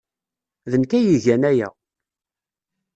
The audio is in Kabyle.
D nekk ay igan aya.